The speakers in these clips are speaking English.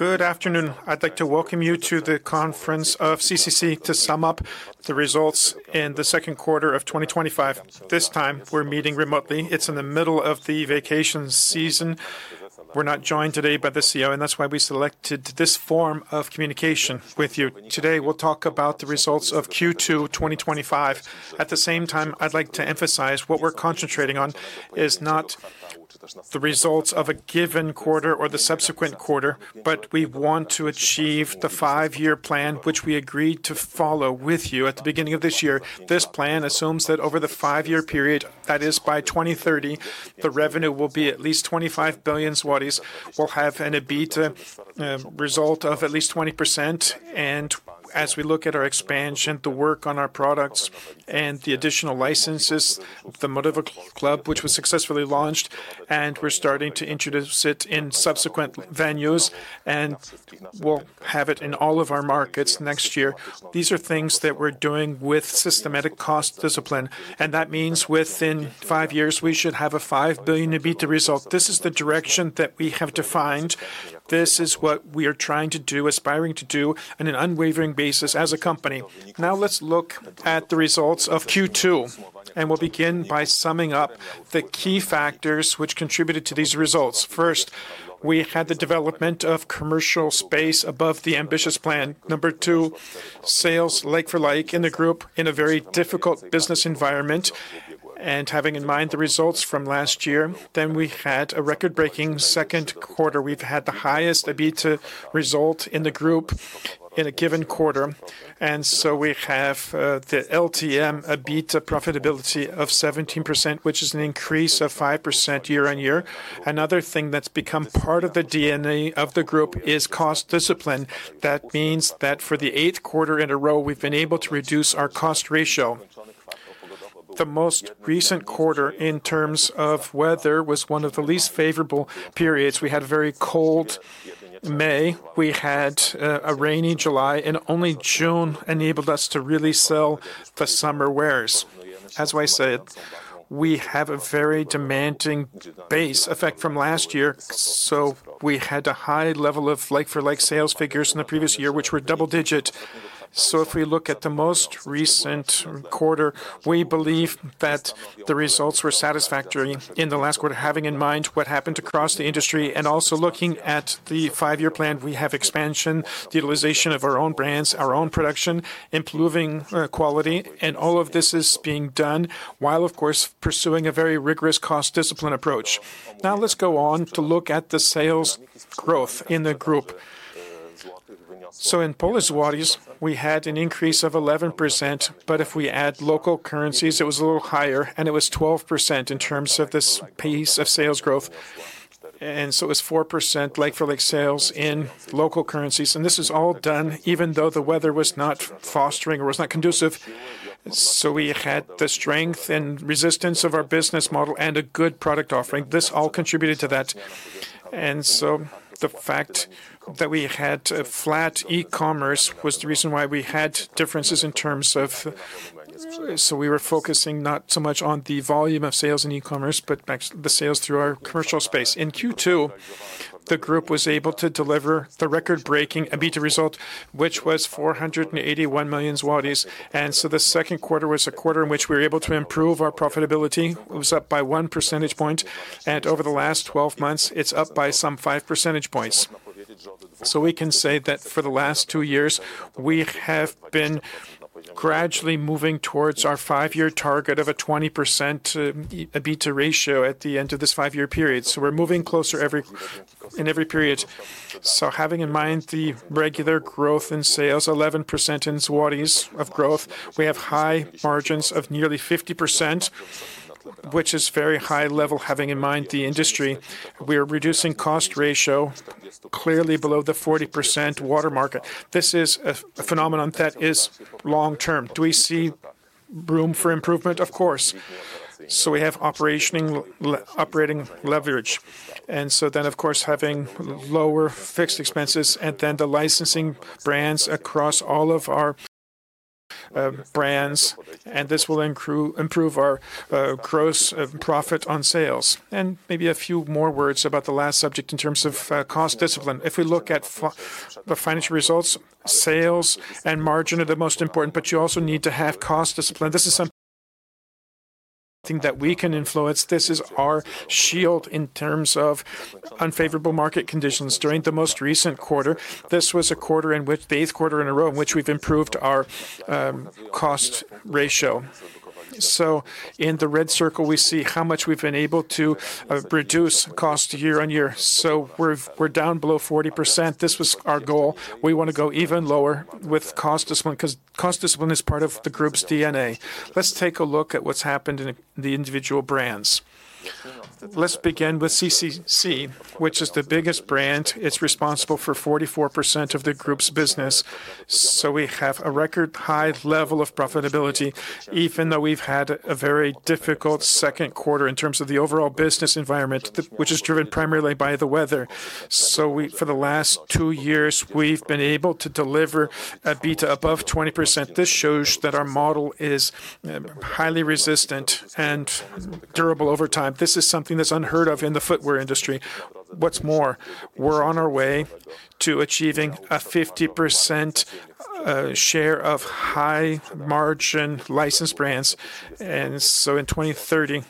Good afternoon. I'd like to welcome you to the conference of CCC to sum up the results in the second quarter of 2025. This time, we're meeting remotely. It's in the middle of the vacation season. We're not joined today by the CEO, and that's why we selected this form of communication with you. Today, we'll talk about the results of Q2 2025. At the same time, I'd like to emphasize what we're concentrating on is not the results of a given quarter or the subsequent quarter, but we want to achieve the five-year plan, which we agreed to follow with you at the beginning of this year. This plan assumes that over the five-year period, that is, by 2030, the revenue will be at least 25 billion zlotys. We'll have an EBITDA result of at least 20%. As we look at our expansion, the work on our products and the additional licenses, the Modivo Club, which was successfully launched, and we're starting to introduce it in subsequent venues, and we'll have it in all of our markets next year. These are things that we're doing with systematic cost discipline. That means within five years, we should have a 5 billion EBITDA result. This is the direction that we have defined. This is what we are trying to do, aspiring to do, on an unwavering basis as a company. Now let's look at the results of Q2, and we'll begin by summing up the key factors which contributed to these results. First, we had the development of commercial space above the ambitious plan. Number two, sales like-for-like in the group in a very difficult business environment. Having in mind the results from last year, we had a record-breaking second quarter. We've had the highest EBITDA result in the group in a given quarter. We have the LTM EBITDA profitability of 17%, which is an increase of 5% year on year. Another thing that's become part of the DNA of the group is cost discipline. That means that for the eighth quarter in a row, we've been able to reduce our cost ratio. The most recent quarter, in terms of weather, was one of the least favorable periods. We had a very cold May, we had a rainy July, and only June enabled us to really sell the summer wears. As I said, we have a very demanding base effect from last year, so we had a high level of like-for-like sales figures in the previous year, which were double-digit. If we look at the most recent quarter, we believe that the results were satisfactory in the last quarter, having in mind what happened across the industry and also looking at the five-year plan. We have expansion, the utilization of our own brands, our own production, improving quality, and all of this is being done while, of course, pursuing a very rigorous cost discipline approach. Now let's go on to look at the sales growth in the group. In PLN, we had an increase of 11%, but if we add local currencies, it was a little higher, and it was 12% in terms of the pace of sales growth. It was 4% like-for-like sales in local currencies. This was all done even though the weather was not fostering or was not conducive. We had the strength and resistance of our business model and a good product offering. This all contributed to that, and so the fact that we had a flat e-commerce was the reason why we had differences in terms of... We were focusing not so much on the volume of sales in e-commerce, but back to the sales through our commercial space. In Q2, the group was able to deliver the record-breaking EBITDA result, which was 481 million zlotys. The second quarter was a quarter in which we were able to improve our profitability. It was up by 1 percentage point. Over the last 12 months, it's up by some 5 percentage points. We can say that for the last two years, we have been gradually moving towards our five-year target of a 20% EBITDA ratio at the end of this five-year period. We're moving closer in every period. Having in mind the regular growth in sales, 11% in PLN of growth, we have high margins of nearly 50%, which is a very high level having in mind the industry. We're reducing cost ratio clearly below the 40% watermark. This is a phenomenon that is long-term. Do we see room for improvement? Of course. We have operating leverage. Then, of course, having lower fixed expenses and then the licensing brands across all of our brands and this will improve our gross profit on sales. Maybe a few more words about the last subject in terms of cost discipline. If we look at the financial results, sales and margin are the most important, but you also need to have cost discipline. This is something that we can influence. This is our shield in terms of unfavorable market conditions. During the most recent quarter, this was a quarter in which the eighth quarter in a row in which we've improved our cost ratio. In the red circle, we see how much we've been able to reduce cost year on year. We're down below 40%, this was our goal. We want to go even lower with cost discipline because cost discipline is part of the group's DNA. Let's take a look at what's happened in the individual brands. Let's begin with CCC, which is the biggest brand. It's responsible for 44% of the group's business, so we have a record high level of profitability, even though we've had a very difficult second quarter in terms of the overall business environment, which is driven primarily by the weather. For the last two years, we've been able to deliver EBITDA above 20%. This shows that our model is highly resistant and durable over time. This is something that's unheard of in the footwear industry. What's more, we're on our way to achieving a 50% share of high-margin licensed brands. In 2030,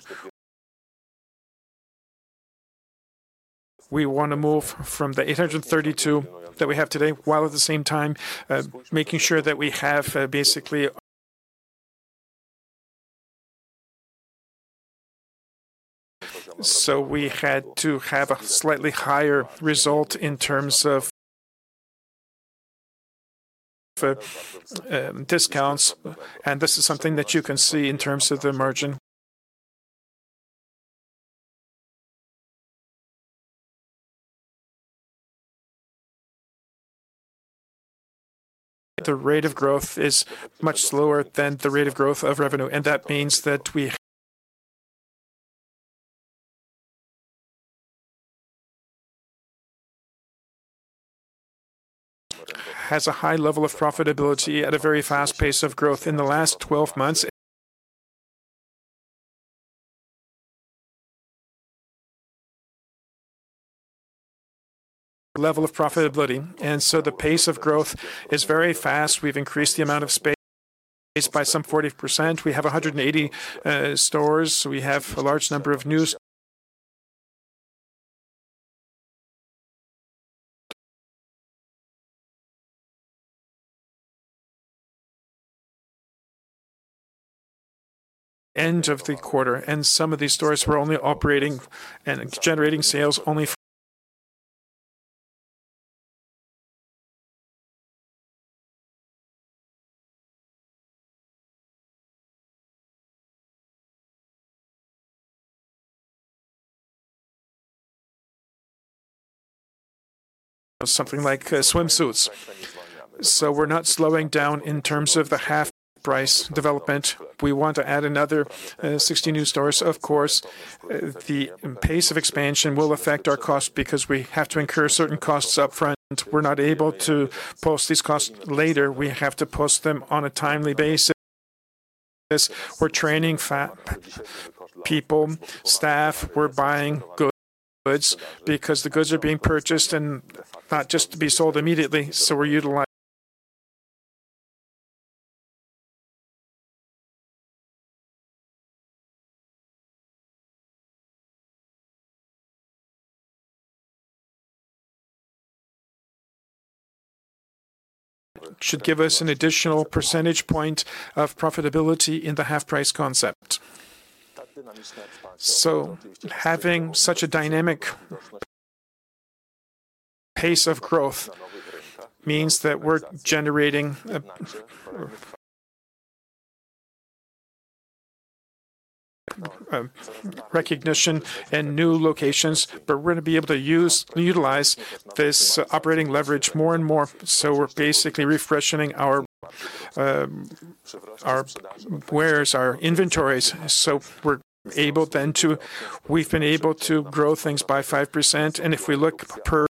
we want to move from the 832 that we have today while at the same time making sure that we have basically...so we had to have a slightly higher result in terms of discounts. This is something that you can see in terms of the margin. The rate of growth is much slower than the rate of growth of revenue. That means that we have a high level of profitability at a very fast pace of growth in the last 12 months. Level of profitability, and so the pace of growth is very fast. We've increased the amount of space by some 40%, we have 180 stores, we have a large number of new stores at the end of the quarter. Some of these stores were only operating and generating sales only... something like swimsuits. We're not slowing down in terms of the half price development. We want to add another 16 new stores, of course. The pace of expansion will affect our costs because we have to incur certain costs upfront. We're not able to post these costs later. We have to post them on a timely basis. We're training people, staff. We're buying goods because the goods are being purchased and not just to be sold immediately. We're utilizing... should give us an additional percentage point of profitability in the HalfPrice concept. Having such a dynamic pace of growth means that we're generating recognition and new locations, but we're going to be able to utilize this operating leverage more and more. We're basically refreshing our wares, our inventories. We're able then to... We've been able to grow things by 5% and if we look per...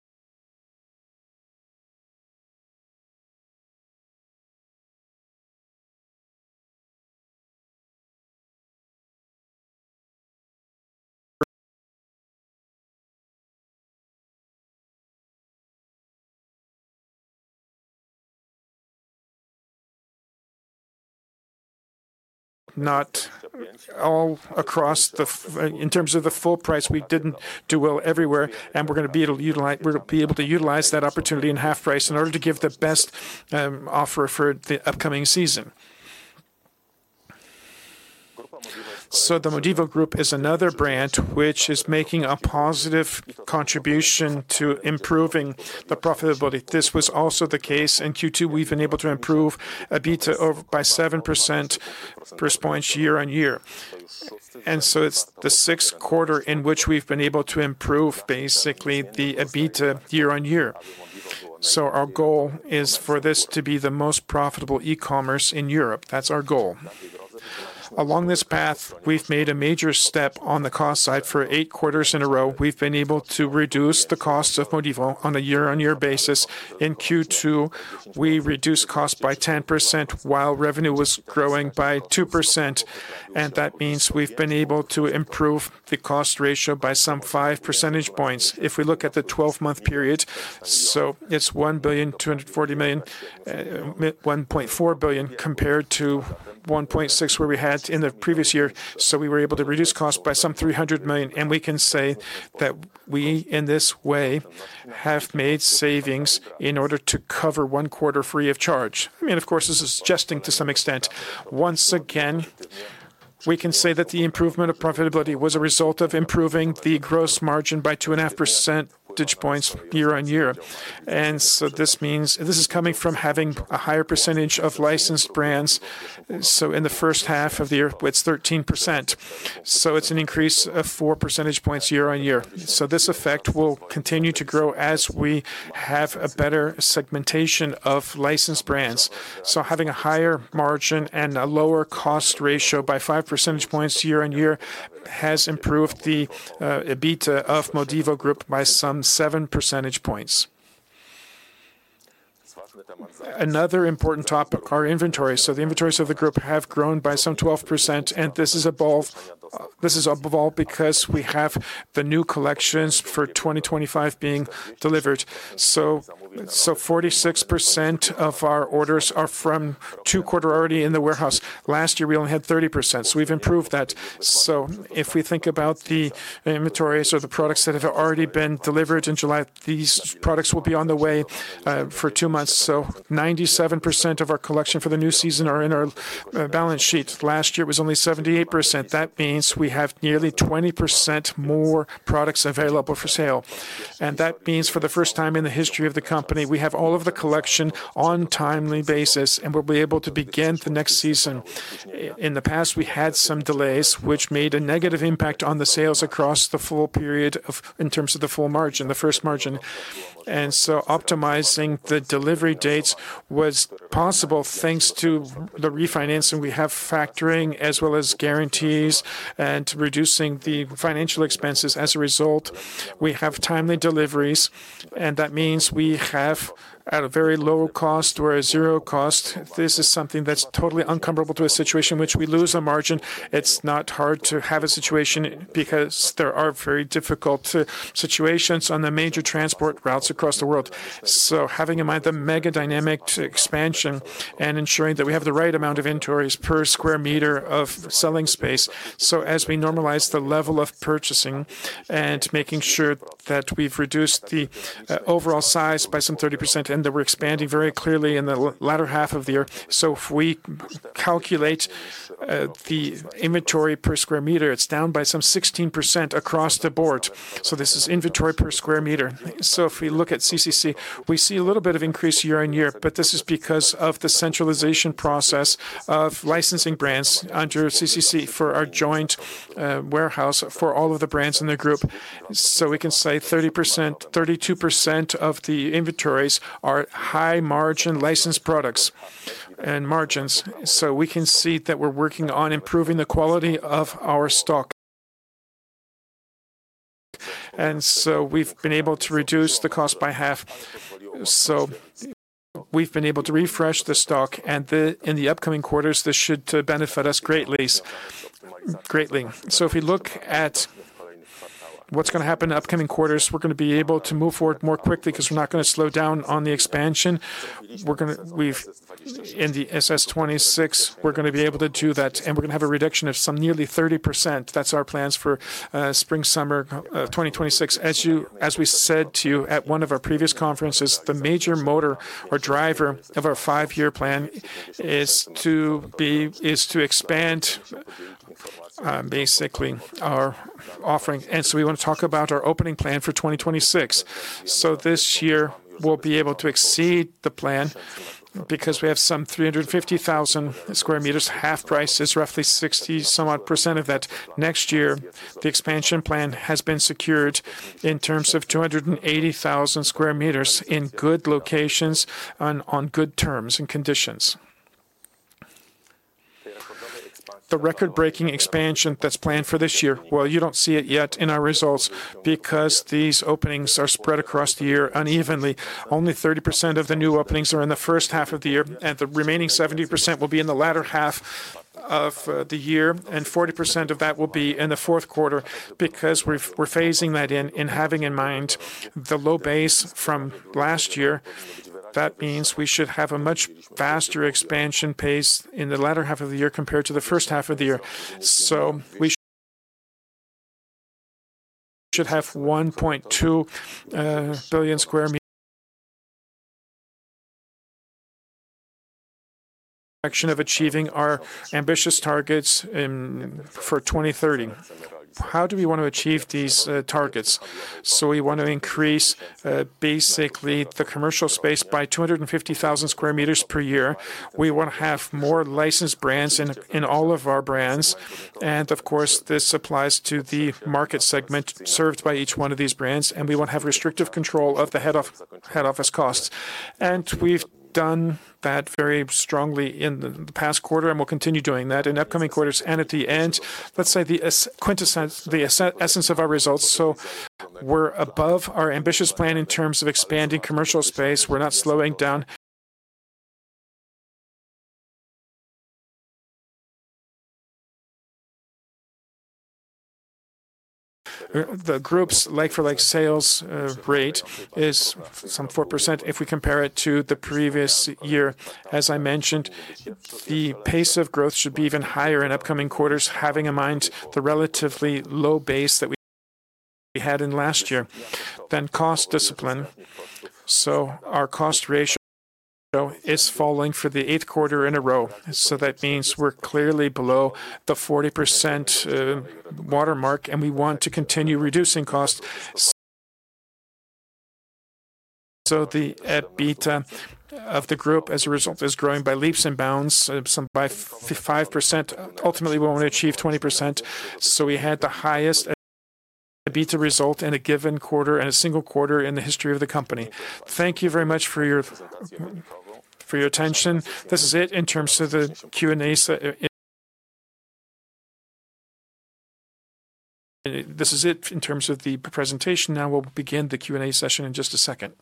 Not all across the... In terms of the full price, we didn't do well everywhere. We're going to be able to utilize that opportunity in HalfPrice in order to give the best offer for the upcoming season. The Modivo Group is another brand which is making a positive contribution to improving the profitability. This was also the case in Q2. We've been able to improve EBITDA by 7 percentage points year on year. It's the sixth quarter in which we've been able to improve basically the EBITDA year on year. Our goal is for this to be the most profitable e-commerce in Europe, that's our goal. Along this path, we've made a major step on the cost side for eight quarters in a row. We've been able to reduce the cost of Modivo on a year-on-year basis. In Q2, we reduced costs by 10% while revenue was growing by 2%. That means we've been able to improve the cost ratio by some 5 percentage points. If we look at the 12-month period, it's 1,240,000,000, 1.4 billion compared to 1.6 billion where we had in the previous year. We were able to reduce costs by some 300,000,000. We can say that we, in this way, have made savings in order to cover one quarter free of charge. I mean, of course, this is suggesting to some extent. Once again, we can say that the improvement of profitability was a result of improving the gross margin by 2.5 percentage points year on year. This means this is coming from having a higher percentage of licensed brands. In the first half of the year, it's 13%. It's an increase of 4 percentage points year on year. This effect will continue to grow as we have a better segmentation of licensed brands. Having a higher margin and a lower cost ratio by 5 percentage points year on year has improved the EBITDA of Modivo Group by some 7 percentage points. Another important topic, our inventory. The inventories of the group have grown by some 12% and this is above all because we have the new collections for 2025 being delivered. 46% of our orders are from two quarters already in the warehouse. Last year, we only had 30%. We've improved that. If we think about the inventories or the products that have already been delivered in July, these products will be on the way for two months. 97% of our collection for the new season are in our balance sheets. Last year, it was only 78%. That means we have nearly 20% more products available for sale. That means for the first time in the history of the company, we have all of the collection on a timely basis and will be able to begin the next season. In the past, we had some delays, which made a negative impact on the sales across the full period in terms of the full margin, the first margin. Optimizing the delivery dates was possible thanks to the refinancing we have, factoring, as well as guarantees and reducing the financial expenses as a result. We have timely deliveries, and that means we have at a very low cost or a zero cost. This is something that's totally uncomfortable to a situation in which we lose a margin. It's not hard to have a situation because there are very difficult situations on the major transport routes across the world. Having in mind the mega dynamic expansion and ensuring that we have the right amount of inventories per square meter of selling space, as we normalize the level of purchasing and making sure that we've reduced the overall size by some 30% and that we're expanding very clearly in the latter half of the year. If we calculate the inventory per square meter, it's down by some 16% across the board. This is inventory per square meter, so if we look at CCC, we see a little bit of increase year on year, but this is because of the centralization process of licensing brands under CCC for our joint warehouse for all of the brands in the group. We can say 30%, 32% of the inventories are high-margin licensed products and margins. We can see that we're working on improving the quality of our stock, and so we've been able to reduce the cost by half. We've been able to refresh the stock, and in the upcoming quarters, this should benefit us greatly. If you look at what's going to happen in the upcoming quarters, we're going to be able to move forward more quickly because we're not going to slow down on the expansion. We're going to, in the SS26, we're going to be able to do that and we're going to have a reduction of some nearly 30%, that's our plans for spring-summer 2026. As we said to you at one of our previous conferences, the major motor or driver of our five-year plan is to expand basically our offering. We want to talk about our opening plan for 2026. This year, we'll be able to exceed the plan because we have some 350,000 square meters, HalfPrice is roughly 60% of that. Next year, the expansion plan has been secured in terms of 280,000 square meters in good locations and on good terms and conditions. The record-breaking expansion that's planned for this year, you don't see it yet in our results because these openings are spread across the year unevenly. Only 30% of the new openings are in the first half of the year, and the remaining 70% will be in the latter half of the year, and 40% of that will be in the fourth quarter because we're phasing that in and having in mind the low base from last year. That means we should have a much faster expansion pace in the latter half of the year compared to the first half of the year. We should have 1.2 million square meters of achieving our ambitious targets for 2030. How do we want to achieve these targets? We want to increase basically the commercial space by 250,000 square meters per year. We want to have more licensed brands in all of our brands. Of course, this applies to the market segment served by each one of these brands. We want to have restrictive control of the head office costs. We've done that very strongly in the past quarter, and we'll continue doing that in upcoming quarters and at the end. Let's say the essence of our results. We're above our ambitious plan in terms of expanding commercial space. We're not slowing down. The group's like-for-like sales rate is some 4% if we compare it to the previous year. As I mentioned, the pace of growth should be even higher in upcoming quarters, having in mind the relatively low base that we had in last year. Cost discipline, so our cost ratio is falling for the eighth quarter in a row. That means we're clearly below the 40% watermark, and we want to continue reducing costs. The EBITDA of the group, as a result, is growing by leaps and bounds, some by 5%. Ultimately, we want to achieve 20%. We had the highest EBITDA result in a given quarter and a single quarter in the history of the company. Thank you very much for your attention, this is it in terms of the Q&A, this is it in terms of the presentation. Now we'll begin the Q&A session in just a second.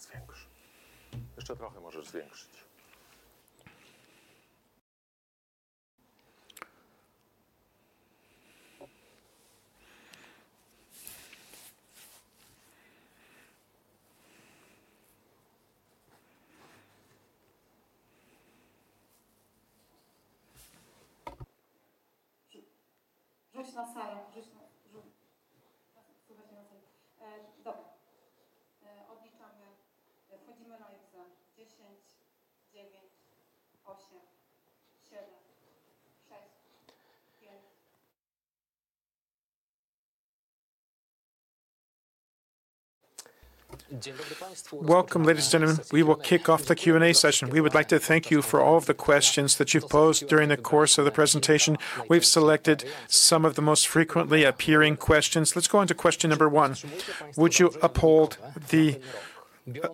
Welcome, ladies and gentlemen. We will kick off the Q&A session. We would like to thank you for all of the questions that you've posed during the course of the presentation. We've selected some of the most frequently appearing questions. Let's go into question number one. Would you uphold the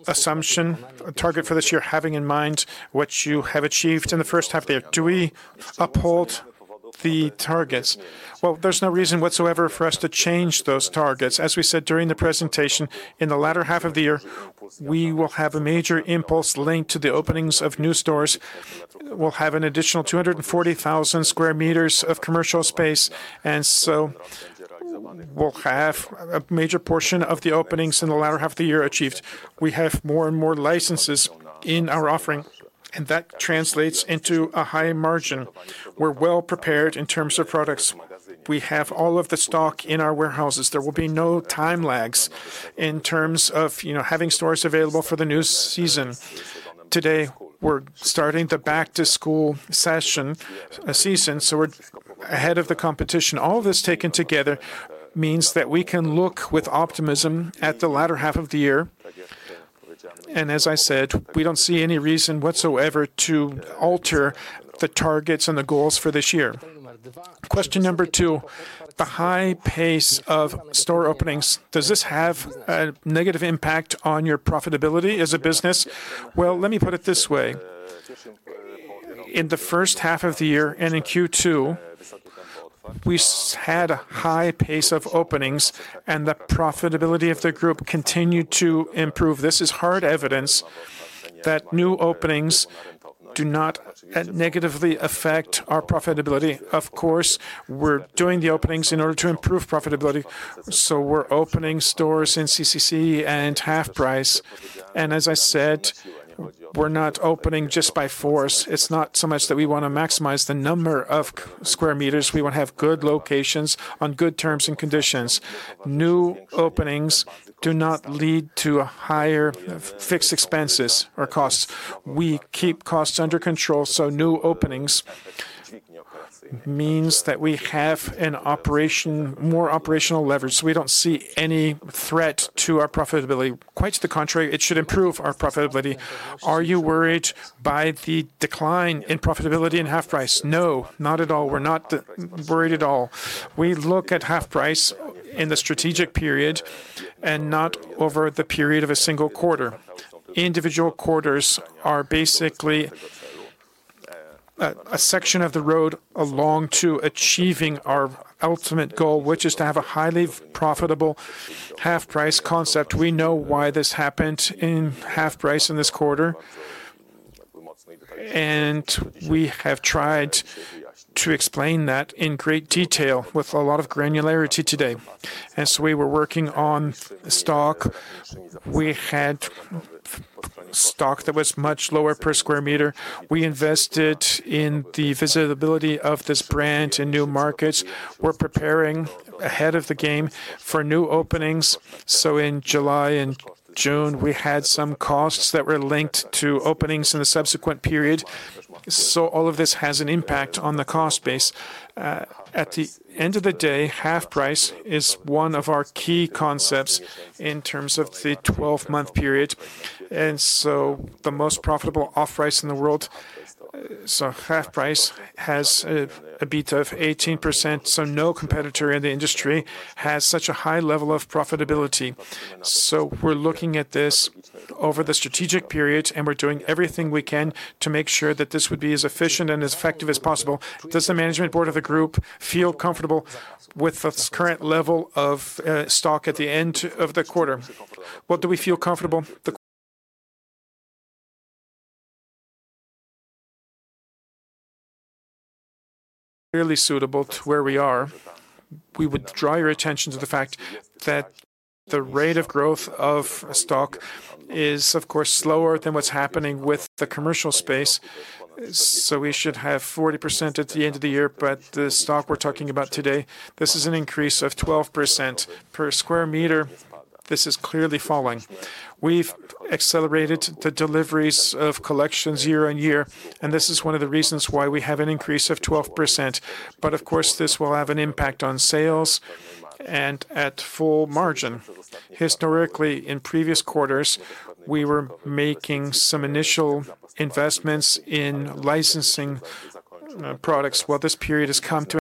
assumption target for this year, having in mind what you have achieved in the first half there? Do we uphold the targets? There is no reason whatsoever for us to change those targets. As we said during the presentation, in the latter half of the year, we will have a major impulse linked to the openings of new stores. We will have an additional 240,000 square meters of commercial space, and so we'll have a major portion of the openings in the latter half of the year achieved. We have more and more licenses in our offering, and that translates into a high margin. We are well prepared in terms of products. We have all of the stock in our warehouses. There will be no time lags in terms of having stores available for the new season. Today, we are starting the back-to-school season, so we are ahead of the competition. All of this taken together means that we can look with optimism at the latter half of the year. As I said, we do not see any reason whatsoever to alter the targets and the goals for this year. Question number two, the high pace of store openings, does this have a negative impact on your profitability as a business? Let me put it this way. In the first half of the year and in Q2, we had a high pace of openings, and the profitability of the group continued to improve. This is hard evidence that new openings do not negatively affect our profitability. Of course, we are doing the openings in order to improve profitability, so we are opening stores in CCC and HalfPrice. As I said, we are not opening just by force. It is not so much that we want to maximize the number of square meters. We want to have good locations on good terms and conditions. New openings do not lead to higher fixed expenses or costs. We keep costs under control. New openings mean that we have more operating leverage. We do not see any threat to our profitability. Quite to the contrary, it should improve our profitability. Are you worried by the decline in profitability in half price? No, not at all. We are not worried at all. We look at HalfPrice in the strategic period and not over the period of a single quarter. Individual quarters are basically a section of the road along to achieving our ultimate goal, which is to have a highly profitable HalfPrice concept. We know why this happened in HalfPrice in this quarter, and we have tried to explain that in great detail with a lot of granularity today. As we were working on the stock, we had a stock that was much lower per square meter. We invested in the visibility of this brand in new markets. We're preparing ahead of the game for new openings. In July and June, we had some costs that were linked to openings in the subsequent period, so allof this has an impact on the cost base. At the end of the day, HalfPrice is one of our key concepts in terms of the 12-month period. The most profitable off-price in the world, HalfPrice, has an EBITDA of 18%. No competitor in the industry has such a high level of profitability. We're looking at this over the strategic period, and we're doing everything we can to make sure that this would be as efficient and as effective as possible. Does the management board of the group feel comfortable with the current level of stock at the end of the quarter? What do we feel comfortable? Clearly suitable to where we are. We would draw your attention to the fact that the rate of growth of stock is, of course, slower than what's happening with the commercial space. We should have 40% at the end of the year, but the stock we're talking about today, this is an increase of 12% per square meter. This is clearly falling. We've accelerated the deliveries of collections year on year, and this is one of the reasons why we have an increase of 12%. Of course, this will have an impact on sales and at full margin. Historically, in previous quarters, we were making some initial investments in licensing products. This period has come to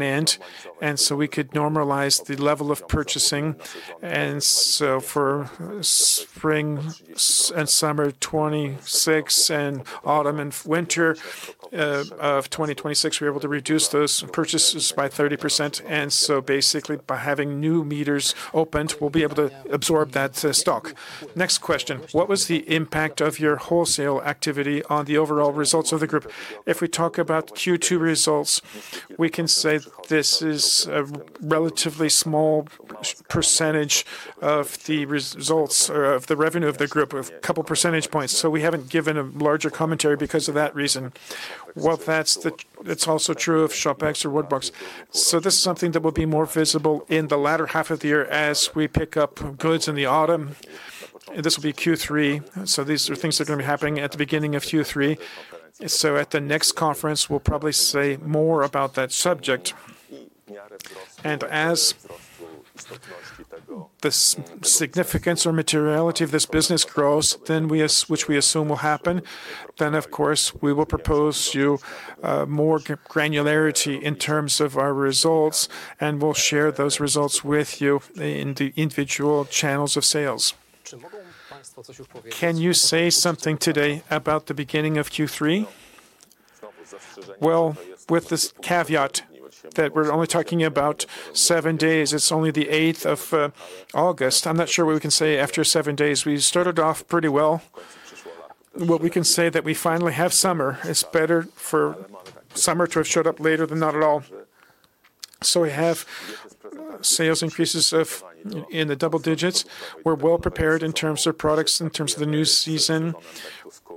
an end, and we could normalize the level of purchasing. For spring and summer of 2026 and autumn and winter of 2026, we're able to reduce those purchases by 30%. Basically, by having new meters opened, we'll be able to absorb that stock. Next question. What was the impact of your wholesale activity on the overall results of the group? If we talk about Q2 results, we can say this is a relatively small percentage of the results or of the revenue of the group, a couple of percentage points. We haven't given a larger commentary because of that reason. That's also true of ShopX or Woodbox. This is something that will be more visible in the latter half of the year as we pick up goods in the autumn, this will be Q3. These are things that are going to be happening at the beginning of Q3. At the next conference, we'll probably say more about that subject. As the significance or materiality of this business grows, which we assume will happen, then, ofcourse we will propose you more granularity in terms of our results, and we'll share those results with you in the individual channels of sales. Can you say something today about the beginning of Q3? Well with this caveat that we're only talking about seven days, it's only the 8th of August. I'm not sure what we can say after seven days. We started off pretty well. We can say that we finally have summer. It's better for summer to have showed up later than not at all. We have sales increases in the double digits. We're well prepared in terms of products, in terms of the new season.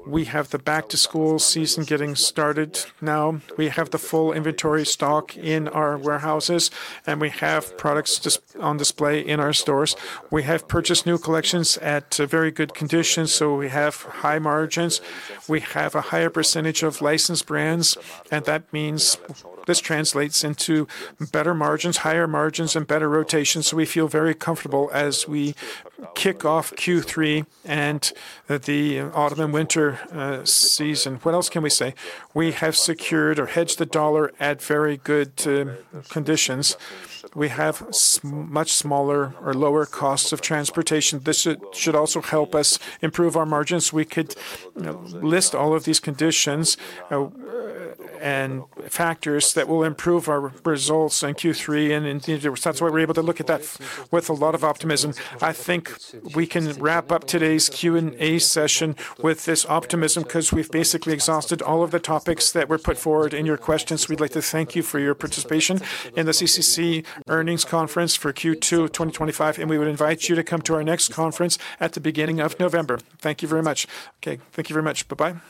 We have the back-to-school season getting started now. We have the full inventory stock in our warehouses, and we have products on display in our stores. We have purchased new collections at very good conditions, so we have high margins. We have a higher percentage of licensed brands, and that means this translates into better margins, higher margins, and better rotations. We feel very comfortable as we kick off Q3 and the autumn and winter season. What else can we say? We have secured or hedged the dollar at very good conditions. We have much smaller or lower costs of transportation. This should also help us improve our margins. We could list all of these conditions and factors that will improve our results in Q3. That's why we're able to look at that with a lot of optimism. I think we can wrap up today's Q&A session with this optimism because we've basically exhausted all of the topics that were put forward in your questions. We'd like to thank you for your participation in the CCC's Earnings Conference for Q2 2025, and we would invite you to come to our next conference at the beginning of November. Thank you very much. Okay, thank you very much. Bye-bye.